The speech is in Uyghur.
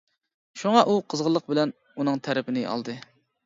شۇڭا، ئۇ قىزغىنلىق بىلەن ئۇنىڭ تەرىپىنى ئالدى.